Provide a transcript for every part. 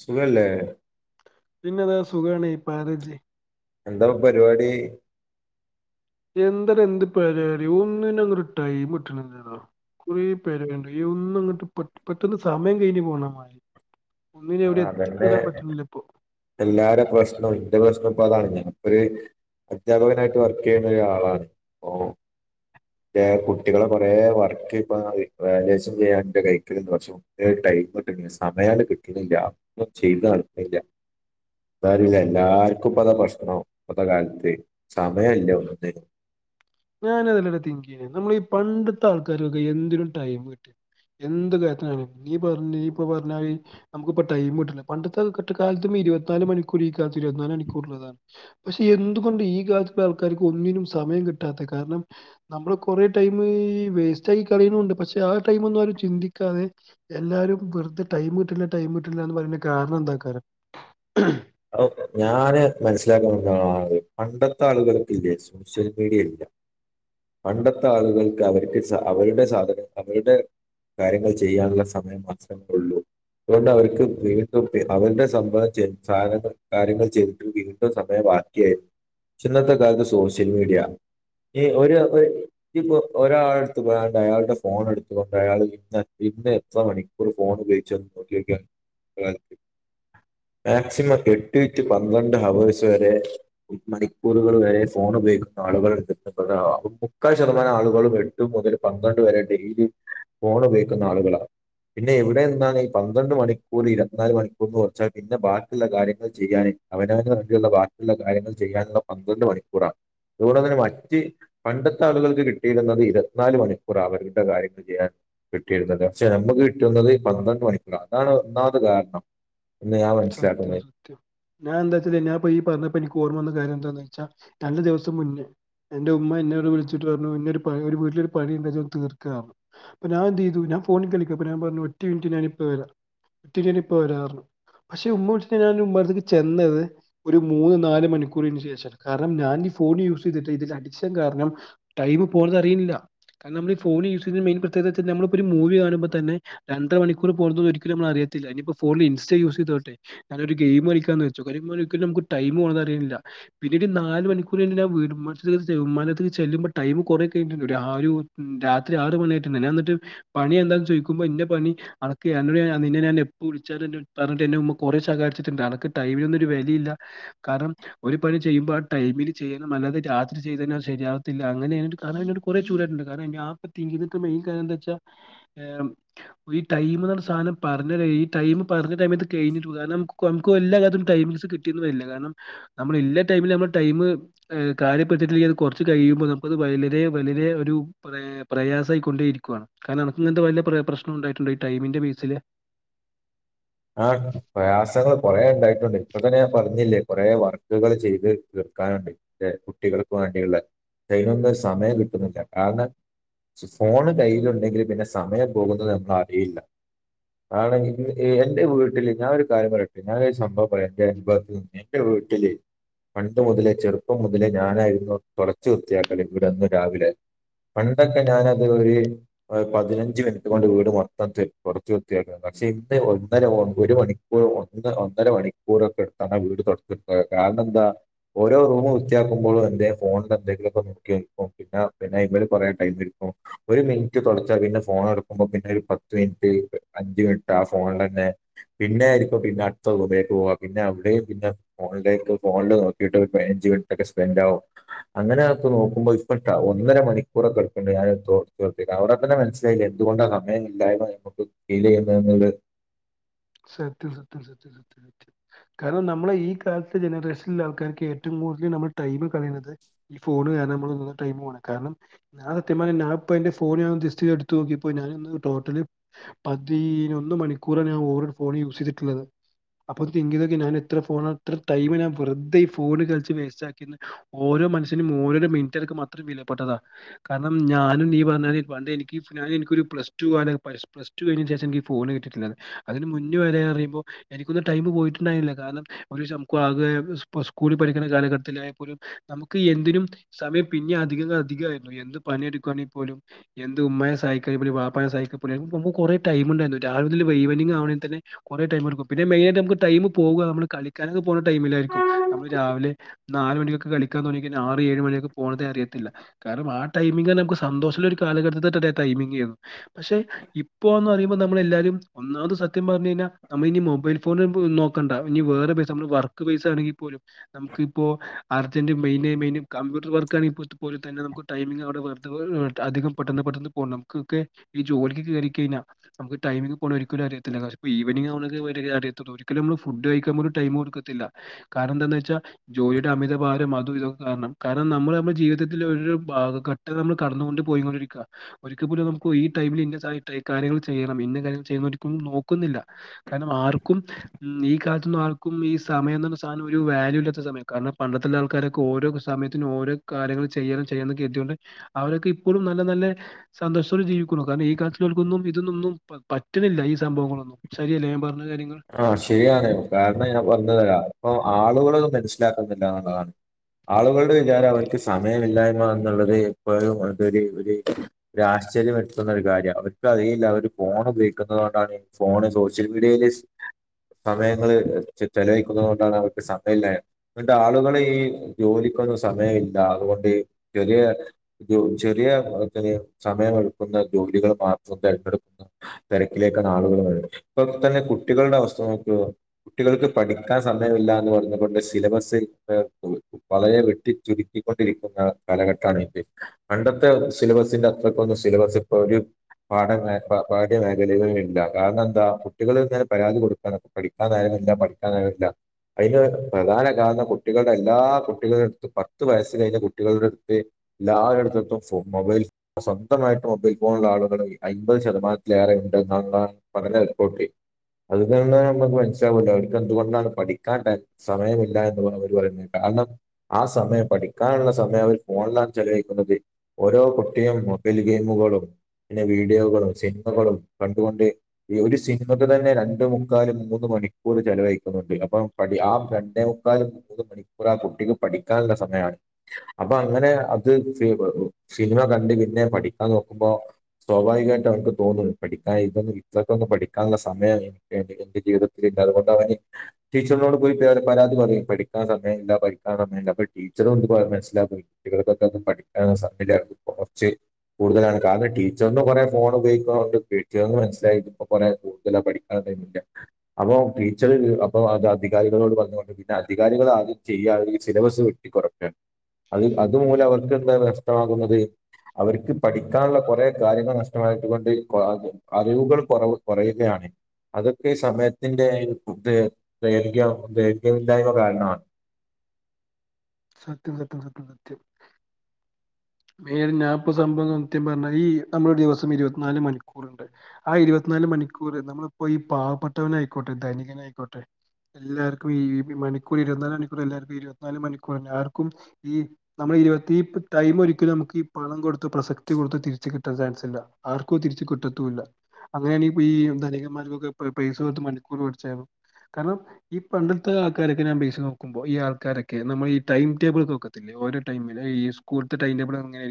സുഖല്ലേ പിന്നെ അത് സുഖയാണ് പാരജി. എന്താ പരുപാടി. എന്താടാ എന്ത് പരിപാടി ഒന്നിനൊന്നൊരു ടൈമ് കിട്ടുന്നില്ലല്ലോ. കുറേ പേരെ കണ്ട് ഒന്നും അങ്ങോട്ട് പെട്ട് പെട്ടന്ന് സമയം കഴിഞ്ഞ് പോണേമാരി. ആഹ് അതന്നെ എല്ലാരെ പ്രശ്നം എന്റെ പ്രശ്നം ഇപ്പൊ അതാണ് ഞാൻ. ഒരു അധ്യാപകൻ ആയിട്ട് വർക്ക് ചെയ്യുന്നു ഒരാളാണ് അപ്പൊ. ദേ കുട്ടികള കൊറേ വർക്ക് ഇപ്പ ഇ വാല്യൂവേഷൻ ചെയ്യാൻ ന്റെ കൈക്കല്ണ്ട് പക്ഷേ ഒന്നിനൊരു ടൈ ടൈമ്ട്ട്ണില്ല സമയാണ്ട് കി ട്ട്ണ്ല്ല്യ അപ്പൊ ചെയ്താണ്ല്ല സാരല്ല തന്നെ എല്ലാർക്കും ഇപ്പ അതാ പ്രശ്നം പ്പത്തെകാൽത്ത് സമയല്ല ഒന്നിനും ഞാന അതെല്ലടാ തിങ്ക്ചെയ്യ് നമ്മള ഈ പണ്ടത്തെ ആൾക്കാരൊക്കെ എന്തിനും ടൈം കിട്ടും എന്ത് കാര്യത്തിനാണേലും നീ പർഞ്ഞ് നീ ഇപ്പൊ പർഞ്ഞ അത്‌ നമുക്ക്പ്പടൈമ് കിട്ട്ണില്ല പണ്ടത്തെ കട്ടകാൽത്ത് മെയ് ഇരുപത്തിനാല് മണിക്കൂർ ഈ കാലത്ത് ഇരുപത്തിനാല് മണിക്കൂർള്ളതാണ് പക്ഷേ എന്തുകൊണ്ട് ഈ കാൽത്തുള്ള ആൾക്കാര്ക്ക് ഒന്നിനും സമയം കിട്ട് ട്ടാതെ കാര്ണം നമ്മള് കൊറേ ടൈമ് ഈ വേസ്റ്റായി കളയുണൂണ്ട് പക്ഷേ ആ ടൈമ് ഒന്നു അവര് ചിന്തിക്ക ക്കാതെ എല്ലാരും വെറുതെ ടൈമ് കിട്ടില്ല ടൈമ് കിട്ടില്ലാന്ന് പറയ്ണ കാരണം എന്താക്കാരം അഹ് ഞാന് മനസ്സിലാക്കുന്നകാര്യം പണ്ടത്തെ ആളുകൾക്ക്ല്ലേ സോഷ്യൽ മീഡിയല്ല പണ്ടത്തെ ആളുകൾക്ക് അവർക്ക് സ്സ അവരുടെ സാധനം അവരുടെ കാര്യങ്ങൾ ചെയ്യാനുള്ള സമയം മാത്രമേ ഒള്ളൂ അതൊണ്ട് അവർക്ക് വീട്ട് പെ അവരുടെ സംഭവറ്റ് സാധനങ്ങൾ കാര്യങ്ങൾ ചെയ്തിട്ട് വീണ്ടും സമയവാക്കിയാരുന്നു ച്ചിന്നത്തെ കാൽത്ത് സോഷ്യൽ മീഡിയ ഈ ഒരു ഒരു ഇ പൊ ഒരാളടുത്ത് പോയണ്ട് അയാളുടെ ഫോണെടുത്തുകൊണ്ട് അയാള് എ ഇ ഇന്ന് എത്ര മണിക്കൂറ് ഫോണ് ഉപയോഗിച്ചന്ന് നോക്കിയോക്കിയാണ് [unintelligible] മാക്സിമം എട്ട് ടു പന്ത്രണ്ട് ഹവേസ് വരെ മണിക്കൂറുകള് വരെ ഫോണ് ഉപയോഗിക്കുന്ന ആളുകള് [unintelligible] മുക്കാല് ശതമാനം ആളുകളും എട്ട് മുതൽ പന്ത്രണ്ട് വരെ ഡെയിലി ഫോണ് ഉപയോഗിക്കുന്ന ആളുകളാ പിന്നെ എവിടെ നിന്നാണ് ഈ പന്ത്രണ്ട് മണിക്കൂറ് ഇരുപത്തിനാല് മണിക്കൂർന്ന് കൊർച്ചാ പിന്നെ പിന്നെ ബാക്കിള്ള കാര്യങ്ങൾ ചെയ്യാന് അവനവന് വേണ്ടിയുള്ള ബാക്കിയുള്ള കാര്യങ്ങൾ ചെയ്യാനുള്ള പന്ത്രണ്ട് മണിക്കൂറാ അതുകൊണ്ടു തന്നെ മറ്റ് പണ്ടത്തെ ആളുകൾക്ക് കിട്ടിയിരുന്നത് ഇരുപത്തിനാല് മണിക്കൂറാ അവരുടെ കാര്യങ്ങൾ ചെയ്യാൻ കിട്ടിയിരുന്നത് പക്ഷെ നമക്ക് കിട്ടുന്നത് പന്ത്രണ്ട് മണിക്കൂർ അതാണ് ഒന്നാമതെ കാരണം എന്ന് ഞാൻ സത്യം മനസ്സിലാക്കുന്നത് സത്യം ഞാ എന്താച്ചല് ഞാപ്പൊ ഈ പർഞ്ഞപ്പോ എനിക്ക് ഓർമ്മവന്ന കാര്യം എന്താ നല്ല ദിവസം മുന്നേ എന്റെ ഉമ്മ എന്നോട് വിളിച്ചിട്ട് പർ ഞ്ഞുരു പണി ഒരു വീട്ടിലൊരു പണിണ്ട് ഇജ്ജോന്നു തീർക് ന്നർഞ്ഞു പ്പ ഞാൻ എന്തയ്തു ഞാൻ ഫോണിൽ കളിക്ക പ്പ ഞാൻ പർഞ്ഞു ഒറ്റ മിന്റ് ഞാനിപ്പ വരാ ഒറ്റ ഞാനിപ്പ വരാർ ഞ്ഞു പക്ഷെ ഉമ വിളിച്ചിട്ട് ഞാൻഉമ്മന്റെടുത്ക്ക് ചെന്നത് ഒരു മൂന്ന് നാല് മണിക്കൂറിന് ശേഷാണ് കാരണം ഞാൻ ഫോൺ യൂസ് ചെയ്തിട്ട് ഇതിന്റെ അഡിക്ഷൻ കാരണം ടൈം പോണ്തറിയ്ണില്ല കാരണം നമ്മൾ ഫോൺ യൂസ് ചെയ്യുന്ന മെയ്ൻ പ്രത്യേകതച്ചാന്നാ നമ്മളിപ്പോരു ഒരു മൂവി കാണുമ്പോ തെന്നെ രണ്ടര മണിക്കൂർ പോക്ണത് ഒരിക്കലും നമ്മള് അറിയ തില്ല ഇനിപ്പോ ഫോൺല് ഇൻസ്റ്റ യൂ തോട്ടെ ഞാനൊ ഗെയിം കളിക്കാന്ന് [unintelligible] പിന്നീട് നാല് മണിക്കൂ [unintelligible] ഞാൻ എന്നിട്ട് പണി എന്താന്ന് ചോദിക്കുമ്പോൾ എന്റെ പണി അക്ക ഞാൻ എപ്പ വിളിച്ച പറഞ്ഞിട്ടന്നെ ഉമ്മ കുറെ ശകാരിച്ചിട്ടുണ്ട് അനക്ക്‌ ടൈമിനൊന്നും ഒരു വെലിയില്ലാ കാരണം ഒരു പണി ചെയ്യുമ്പോ ആ ടൈം മിന് ചെയ്യണം അല്ലാതെ രാത്രി ചെയ്തതിനത് ശരിയാവത്തില്ല അങ്ങനെ [unintelligible] കുറെ ചൂാടായിട്ടുണ്ട് കാരണം [unintelligible] മെയ്ൻ കാരണന്നെച്ചാ ഏ ഇ ടൈം ന്നർഞ്ഞ സാനം [unintelligible] പറഞ്ഞ ടൈമത്ത് കഴിഞ്ഞിട്ടു കാരണം നമു എല്ലാ കാലും ൈിസ് കിട്ടിയന്നരി കാരണം നമ്മള ടൈമിൽ നമ്മുടെ ടൈം കാര്യപ്പെടുത്തിട്ടങ്കിൽ അത് കുറച്ച് കഴിയുമ്പോ നമുക്കത് വലരെ വലരെ ഒരു പ്ര യസായികൊണ്ടേരിക്ക കാരണം അനക് ങ്ങൻതെ വല്ല പ്ര പ്രശ്നം ഉണ്ടായിട്ടുണ്ടൊ ഈ ടൈമിന്റെ ബേസില് [inaudible] ആഹ പ്രയാസങ്ങള് കൊറേ ണ്ടായി ണ്ട് ഇപ്പൊ തന്നെ പറഞ്ഞില്ലേ കൊറെേ വർക്കുകൾ ചെയ്ത് തീർക്കാനുണ്ട് കുട്ടികൾക്ക് വേണ്ടിയുള്ള ദൈനൊന്ന് സമയം കിട്ടുന്നില്ല കാരണം ഫോണ് കയ്യിലുണ്ടെങ്കില് പിന്നെ സമയം പോകുന്നത് നമ്മ അറിയില്ല ആണെ എന്റെ വീട്ടില് ഞാനൊരു കാര്യം പറയട്ടെ ഞാനൊരു സംഭവം പറയാ എന്റെ വീട്ടില് പണ്ട് മുതലേ ചെറുപ്പം മുതലേ ഞാനായിരുന്നു തുളച്ചു വൃത്തിയാക്കല് ഇവിടെന്നും രാവിലെ പണ്ടൊക്കെ ഞാന അത് ഒരു പതിനഞ്ച് മിനിറ്റ് കൊണ്ട് വീട് മൊത്തത്ത് കുറച്ച് വൃത്തിയാക്കാൻ [unintelligible] ഒന്നര ഒരു മണിക്കൂർ ഒന്ന് ഒന്നര മണിക്കൂറൊക്കെ എട്ത്താണ്ടാ വീട് [unintelligible] കാരണം എന്താ ഓരോ റൂമ് വൃത്തിയാക്കുമ്പോഴും എന്തേ ഫോണിലെന്തെങ്കിലൊക്കെ നോക്കി ന പിന്നെ പിന്നെ ഇ പറയാൻ [unintelligible] ഒരു മിനിറ്റ് തുടച്ച പിന്നെ ഫോൺ എടുക്കുമ്പോ പിന്നെ ഒരു പത്ത് മിനിറ്റ് അഞ്ച് മിനിറ്റ് ആ ഫോണ പിന്നെ ആയിരിക്ക പിന്നെ അടുത്ത ഉപേക്ക് പോവാ പിന്നെ അവിടെയും പിന്നെ ഫോണിലേക്ക് ഫോണിൽ നോക്കി െ സ്പെൻറ് ആകും അങ്ങനൊ ക്കെ നോക്കുമ്പോ ഇ ഒന്നര മണിക്കൂറൊക്കെ എടുക്കണ്ട്ഞ തോോർത്തി അവടെ തന്നെ മനസ്സിലായി എന്തുകൊണ്ടാ സമയം ഇല്ലായ്മ അങ്ങോട്ട് ഫീൽ ചെയ്യുന്നത് സത്യം സത്യം സത്യം സത്യം സത്യം കാരണം നമ്മളെ ഈ കാലത്തെ ജനറേഷനിലെ ആൾക്കാർക്ക് ഏറ്റവും [unintelligible] നമ്മടെ ടൈം കളയണത് ഫോണ് കാരണ ടൈം പോണേ കാരണം ഞാൻ സത്യം പർഞാ എന്റെ ഫോണ് ഞാൻ ജസ്റ്റ്‌ എട്ത് നോക്കിയപ്പോ ഞാാനൊന്ന് ടോട്ടല് പതിനൊന്ന് മണിക്കൂറണ് ഞാൻ ഓർ ഫോൺ യൂസ് ചെയ്തിട്ടുള്ളത് അപ്പൊ തിങ്കതൊക്കെ ഞൻ എ ഫോണത്ര ടൈം ഞാൻ വെറതെ ഈ ഫോണ് കള്ച് വേസ്റ്റ് ആക്കിണ് ഓരോ രോ മനുഷ്യനും മൂന്നരു മിനിറ്റ്ക്ക് മാത്രം വിലപ്പെട്ടതാ കാരണം ഞാനും നീ പറഞ്ഞാതിരി പണ്ടെ എനിക്ക് [unintelligible] എനിക്കൊരു പ്ലസ് ടു പ്സ് ടു കഴി ശേഷം എനി ഫോണ് കിടട്ട്ണത് അതിന് മുൻ ന്ന് വരെറിയുമ്പോ എനിക്കൊന്നും ടൈമ് പോയിട്ടുണ്ടായിുന്നില്ല കാരണം [unintelligible] സ്കൂളിൽ പഠിക്കണ കാല ത്തിലായലും നമുക്ക് എന്തിനും സമയം പിന്നെ അധികം അധികമായിരുന്നു എന്ത് പണിയെടുക്കുയാണെങ്കിൽ പോലും എന്ത് ഉമ്മയെ സഹായിക്കേലും ബാപ്പാനെ സഹായിക്കുമ്പ കുറെ ടൈം ഉണ്ടായിരുന്നു രാവെ വൈവനി ആണെിൽന്നെ കുറെേ ടൈം എടുക്കും പിന്നെ മെയായിട്ട്മുക്ക് ടൈ പോകുക നമ്മള് കളിക്കാനൊക്കെ പോണെ ടൈമിലായിരിക്കും നമ്മള് രാവിലെ നാല് മണിക്കൊക്കെ കളിക്കാൻതൊടങ്ങി കഴിഞ്ഞ ആറ് ഏഴ് മണിയൊക്കെ പോണത അറത്തില്ല കാരണം ആ ടൈമിംങ് നമുക്ക് സന്തോഷള്ള കാലഘട്ടത്തെ തന്നെ ടൈമിംഗ് ആ യിരുന്നു പക്ഷെ ഇപ്പോന്ന് പറയുമ്പോ നമ്മൾ എല്ലാരും ഒന്നാമത് സത്യംപർ ഞ നെന്ന നമ്മനി മൊബൈൽ ഫോൺ നോക്ക ണ്ട ഇനി വേറെ പൈസ നമ്മ വർക്ക് പൈസ ആണെങ്കിൽ പോലും നമുക്ക്പ്പോ അർജന്റമെയിന് മെയിന് കമ്പ്യൂട്ടർ വർക്കാ [unintelligible] അ പെട്ടെന്ന് പെട്ടെന്ന് പോക നമുക്കെ ഈ ജോലിക്ക് കേറി കഴിഞ്ഞാൽന മുക്ക് ടൈമിങ് പോണേ ഒരിക്കലും അറിയത്തില്ല ഇ ഈവനി അറിയത് ഒരിക്കലും നമ്മള് ഫുഡ് കഴിക്കാ്പ ഒരു ടൈം കൊടുക്കത്തില്ല കാരണം എന്താന്ന് വെച്ചാ ജോലിയുടെ അമിതഭാരം അതും ഇതൊക്കെ കാരണം കാരണം നമ്മൾ നമ്മുടെ ജീവിതത്തിലൽഘട്ടം നമ്മൾ കടന്നുകൊണ്ട് പോയി ഒരിക്കല നമു ഈ ടമ കാര്യങ്ങൾ ചെയ്യണം കാര്യ ചെയ കാരണം ആർക്കും ഈ കാലത്തന്നും ആർക്കും ഈ സമയം സാധന ഒരു വാല്യൂല്ലാത്ത യ കാരണം പണ്ടത്തെുള്ള ആൾക്കാരൊക്കെ ഓരോ സമയത്തിും ഓരോ കാര്യങ്ങൾ ചെയ്യാനും ചെയ്യാനൊക്കെ എത്തിയൊണ്ട് അവരൊക്കെ എപ്പോഴും നല്ല നല്ല സന്തോഷത്തോട് ജീവിക്കുന്നു കാരണം ഈ കാാലട്ടക്കൊന്നും ഇതൊന്നൊന്നും പറ്റുന്നില്ല ഈ സംഭവങ്ങളൊന്നും ശരിയല്ലേ ഞാൻ പറ ആഹ ശരിയാണ് കാരണം ഞാൻ വന്നതരാ അപ്പൊ ആളുകളൾത് മനസ്സിലാക്കുന്നില്ല എന്നുള്ളതാണ് ആളുകളുടെ വിചാരം അവർക്ക് സമയമില്ലായ്മ എന്നുള്ളത് എപ്പോഴും അതൊരുശ ആശ്ചര്യം എടുത്തുന്ന ഒരു കാര്യം അവർക്ക് അതയില്ല അവര് ഫോൺ ഉപയോഗിക്കുന്നത് കൊണ്ടാണ് ഫോണ് സോഷ്യൽ മീഡിയയില് [unintelligible] സമയങ്ങള് ചെലവഴിക്കുന്നത് കൊണ്ടാണ് അവർക്ക് സമയംമില്ലായ അുകൊണ്ട് ആളുകൾ ഈ ജോലിക്കൊന്നും സമയ ഇില്ല അതുകൊണ്ട് ചെറിയ ചെറിയന് സമയമ എടുക്കുന്ന ജോലികൾ മാത്രം തിരഞ്ഞെടുക്കുന്ന തിരക്കിലേക്കാണ് ആളുകൾത് ഇപ്പൊ തന്നെട്ട കുട്ടികളുടെ അവസ്ഥ നോക്ക കുട്ടികൾക്ക് പഠിക്കാൻ സമയമില്ല എന്ന് പറഞ്ഞ കൊൊണ്ട് സിലബസ് പോ വളരെ വെട്ടി ചുരുക്കിക്കൊണ്ടിരിക്കുന്ന കാലഘട്ടമാണ് ഇത് പണ്ടത്തെ സിലബസിന്റെ അക്ക സിലബസ് ഇപ്പൊ ഒരു പാഠ പാഠ്യ മേഖല ഇല്ല കാരണം എന്താ കുട്ടികൾ ഇങ്ങ പരാതി കൊടുക്കാണ് അപ്പ പഠിക്കാനായിരുന്നില്ല പഠിക്കാനായിരുന്നില്ല അതിന് പ്രധാന കാരണം കുട്ടികളുടെ എല്ലാ കുട്ടികളുടെ അടുത്ത് പത്ത് വയസ് കഴിഞ്ഞ കുട്ടികളുടെ അടുത്ത് എല്ലായിടത്തത്തും ഫ മൊബൈൽ സ്വന്തമായിട്ട് മൊബൈൽ ഫോണള്ള ആളുകളെ അൻമ്പത് ശതമാനത്തിലേറെ നന്ന പറഞ്ഞ പോട്ടി അത് തന്നെ നമുക്ക് മനസ്സിലാവൂല അവർക്ക് എന്തുകൊണ്ടാണ് പഠിക്കാൻ സമയമില്ല എന്ന് അവർ പറയുന്ന കാരണം ആ സമയം പഠിക്കാനുള്ള സമയം അവർ ഫോണിലാണ് ചെലവഴിക്കുന്നത് ഓരോ കുട്ടിയും മൊബൈൽ ഗെയിമുകളും പിന്നെ വീഡിയോകളും സിനിമകളും കണ്ടുകൊണ്ട്ഈ ഒരു സിനിമ അ തന്നെ രണ്ട മുക്കാലും മൂന്ന് മണിക്കൂർ ചലവഴിക്കുന്നുണ്ട് അപ്പം പ ആ രണ്ടേ മുക്കാലും മൂന്ന് മണി ആ കുട്ടിക്ക് പഠിക്കാനുള്ള സമയമാണ് അപ്പൊ അങ്ങനെ അത് സിനിമ കണ്ട പിന്നെ പഠിക്കാൻ നോക്കുമ്പോ സ്വാഭാവികമായിട്ട് അവമുക്ക് തോന്നും പഠിക്കാൻ ഇതൊ ഇത്രക്കൊും പഠിക്കാ കാ സമയം എനിക്ക് എന്റെ ജീവിതത്തിൽണ്ട് അതുകൊണ്ട് അവന് ടീച്ചറിനോട് പോയി പേ പരാതി പറയും പഠിക്ക സമയമില്ല പഠിക്കാൻ സമയമല്ല ഇപ്പ ടീച്ചറുംൊണ്ട് മനസ്സിലാക്കുംയിടീക്കൊക്കൊന്നും പഠിക്കൻ സമല്ലായിരുന്നു ഇപ്പൊ കുറച്ച് കൂടുതലാണ് കാരണം ടീച്ചറിറെ കുറെേ ഫോൺ ഉപയോഗിക്കുന്നണ്ട് പിറ്റിഎ മനസ്സിലായിട്ട് ഇപ്പ കുറെ കൂടുതല പഠിക്കൻില്ല അപ്പൊ ടീച്ചർ അപ്പൊ അത് അധികാരികളോട് പറഞ്ഞൊണ്ട് പിന്നെ അധികാരിക ചെയ്യ സിലബസ് വെട്ടിറക്കൻ അ അതുമൂലം അവർക്ക് തക്ക്ന്നത് അവർക്ക് പഠിക്കാനുള്ള കുറെ കാര്യങ്ങൾ നഷ്ടമായിട്ടൊണ്ട് അറിവുകൾ കുറവ് കുറയുകയാണ് അതൊക്കെ സമയത്തിന്റെ ദർ ദൈർഘ്യ ദൈർഘ്യമില്ലായ്മ കാരണമാണ് സത്യം സത്യം സത്യം സത്യം മ ഞാപ്പ സംഭവം സത്യം പറഞ്ഞ ഈ നമ്മുടെ ഒരു ദിവസം ഇരുപത്തിനാല് മണിക്കൂർുണ്ട് ആ ഇരുപത്തി മൂ നാല് മണിക്കൂർ നമ്മളിപ്പോ ഈ പാവപ്പെട്ടവന ആയിക്കോട്ടെ ദധനികന ആയിക്കോട്ടെ എല്ലാവർക്കും ഈഈ മണിക്കൂർ ഇരുപത്തിാല് മണിക്കൂർ എല്ലാവർക്കും ഇരുപനാല് മണിക്കൂർല്ലർക്കും ഈ നമ്മ ഇരുപത്തി ടൈം ഒരു നമുക്ക് ഈ പണം കൊടുത്ത് പ്രസക്തി കൊടുത്ത് തിരിച്ചു കിട്ടാൻ ചാൻസ്ല്ല ആർക്കോ തിരിച്ചു കിട്ടത്തുല്ലഅങ്ങനെ പോയി ധനികമാ പൈസ മണിക്കൂർ പടിച്ചായിരുന്നു കാരണം ഈ പണ്ടത്തെ ആൾക്കാരൊക്കെ ഞാൻ ബേസ്ത് നോക്കുമ്പോൾ ഈ ആൾക്കാരൊക്കെ നമ്മൾ ഈ ടൈം ടേബിൾ നോക്കത്തില്ലേ ഒരു ടൈമില് ഈ സ്കൂ ടി [inaudible] അങ്ങന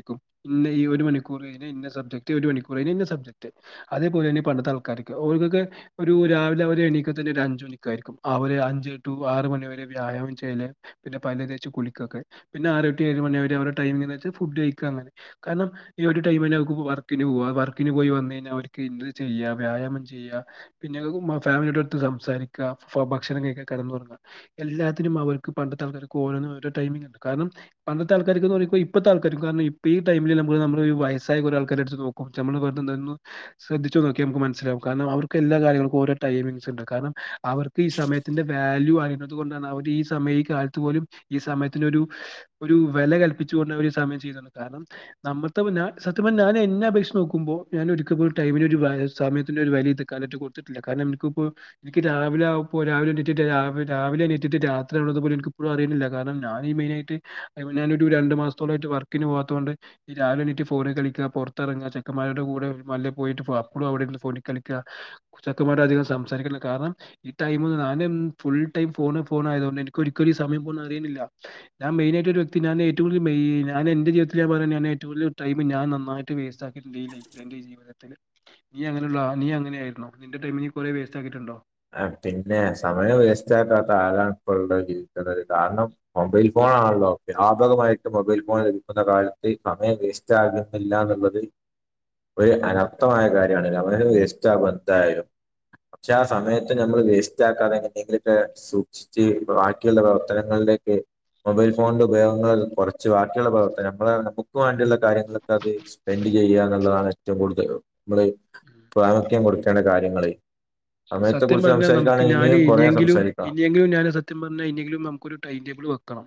ഇഈ ഒരു മണിക്കൂർഴ ഇ സബ്ജക്ട് ഒരു മണൂ ഇ സബ്ജക് അപോല പണ്ടത്തെ ആൾക്കാരൊക്കെ അവർക്കൊക്കെ ഒരു രാവിലെ എണ തന്നെ ഒരു അഞ്ച് മണിക്ക ആായിരിക്കും അവര് അഞ്ച് ടു ആറ് മണിവരെ വ്യായാമം ചെയ്യല് പിന്നെ പലചച്ച കുളിക്കൊക്കെ പിന്നെ ആറ് ഒട്ടി ഏഴ് മണി വരെ അവടെ ടൈമ ഫുഡ് കഴങ്ങനെ കാരണം ഈ ഒരു ടൈമ വർക്കിന് പോ വർക്കിന് പോയി വന്ന കഴിഞ്ഞാൽ അവർക് ചെയ്യ വ്യായാമം ചെയ്യ പിന്നെ ഫാമിലിയ അടുത്ത് സംസാരിക്കുക ഭക്ഷണം കഴക്കാ കടന്നറുങ്ങാം എല്ലാത്തിനും അവർക്ക് പണ്ടത്തെ ആക്കർക്ക് ഓരോന്നും ഓരോ ടമി ഉണ്ട് കാരണം പണ്ടത്തെ ആൾക്കർക്കന്ന് പറയുമ്പോ ഇപ്പത്തെ ആൾക്കാര് കാരണം പ്പോ ടൈമിൽ നമ്മ നമ്മ വയസ്സായ ഒരു ആൾക്കാര എടുത്ത് നോക്കും നമ്മ ശ്രദ്ധ നോക്കി നമുക്ക് മനസ്സിലാകും അവർക്ക് എല്ലാ കാര്യങ്ങക്കും ഓരോടൈമിങ്ണ്ട് കാരണം അവർക്ക് ഈ സമയത്തിന്റെ വാല്യൂ അതുകൊണ്ടാണ് അവര് ഈ സമയ ഈ കാലത്ത് പോലും ഈ സമയത്തിന് ഒരു ഒരു വില കൽപ്പിച്ച സമയം ചെയുണ്ട് നമ്മ സത്യ ഞൻ എന്നെ അപേക്ഷച്ച് നോക്കുമ്പോ [inaudible] [unintelligible] സമയത്തിന്റെ ഒരു വലി എക്ക എന്നിട്ട് കൊടുത്തിട്ടില്ല കാരണം എനിപ്പോ എനിക്ക് രാവിലെ പ്പോ രാവിലെ രാവ രാവിലെ എനി എനിറ്റിട്ട് രാത്രി ആണള്ളത് പോല എനിക്ക എപ്പോഴും അറിയുന്നില്ല കാരണം ഞാനീ മെയിനായിട്ട് ഞാനൊ ഒരു ര മാസത്തോളട്ട് വർക്കിന് പോവാത്തത കൊണ്ട് രാവില എണീട്ട് ഫോണി കളിക്കുക പുറതെറങ്ങിട്ടു ചെക്കമാരുടെ കൂടെ മല്ല പോയിട അപ്പോഴും അവിടെ ഫോണ കളിക്കുക കൊച്ചക്കെമായിര അധികം സംസാരിക്കണം കാരണം ഈ ടൈമ ഞാനും ഫുൾ ടൈം ഫോണ് ഫോൺ ആയത കൊണ്ട് എന ഒരിക്കലും സമയം പോ അറിയുന്നില്ല ഞാ മെയിന ആയിട്ട ഒരു വ്യക്തി ഞ ഏറ്റവും മേ ഞാനെന്റെ ജീവിത്തിലൽ പറയാ ഏറ്റവും കൂടുതല് ടൈമ് നന്നായിട്ട് വേസ്റ്റാ ക്കിയിട്ടിണ്ട് എന്റെ ജീവിതത്തെ നീ അങ്ങനെയുള്ള നീ അങ്ങനെയ ആരോ നിന്റെ ടൈമി നീ കൊറെ വേസ്റ്റ് ആക്കിയിട്ടുണ്ടോ? ആ പിന്നെ സമയം വേസ്റ്റ് ആക്കാത്ത ആരാണ് ഇപ്പോ ജീക്ക കാരണം മൊബൈൽ ഫോൺ ഫോണാണല്ലോ വ്യാപകമായിട്ട് മൊബൈൽ ഫോൺ ലഭിക്കുന്ന കാലത്ത് സമയം വേസ്റ്റ് ആകുന്നില്ല എന്നുള്ളത് ഒരു അനർത്ഥമായ കാര്യാണ് അവനവേസ്താവും എന്തായാലും പക്ഷെ സമയത്ത് നമ്മൾ വേസ്റ്റ് ആക്കാതെങ്ങന എന്തെങ്കിലൊക്കെ സൂക്ഷിച്ച് ബാക്കിയുള്ള പ്രവർത്തനങ്ങളിലേക്ക് മൊബൈൽ ഫോണിന്റെ ഉപയോഗങ്ങൾ കുറച്ച് ബാക്കിയുള്ള പ്രവർത്തന നമ്മൾ നമുക്ക് വേണ്ടിയുള്ള കാര്യങ്ങൾ [unintelligible] സ്പെൻഡ് ചെയ്യുക എന്നുള്ളതാണ് ഏറ്റവും കൂടുതൽ നമ്മള് പ്രാമുഖ്യം കൊടുക്കേണ്ട കാര്യ ങ്ങളെ സത്യം പറഞ്ഞാ നമക്ക് ഞാന് ഇനിയെങ്കിലും സംസാരിക്കാം ഇനിയെങ്കിലും ഞാന് സത്യം പറഞ്ഞാ ഇനിയെങ്കിലും നമുക്കൊ ടൈം ടേബിൾ വ ക്കണം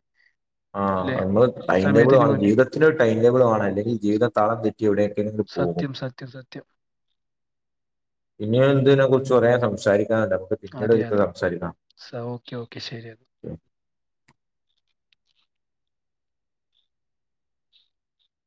ആഹ് നമ്മ ടൈംടേബിൾണ് ജീവിതത്തില ഒരു ടൈം ടേബിൾ വേണം അല്ലെങ്കിൽ ജീവിത സത്യം തളം തെറ്റിവിയൊക്കെ സത്യം സത്യം സത്യം ഇന്നിയ ഇന്തിനെ കുറിച്ച് പറയാൻ സംസാരിക്കും ആ നമുക്ക് പിന്നീട് അതെ ഒരുത്ത് അതെ സംസാരിക്കാം ഓക്കെ ഓക്കെ ശരി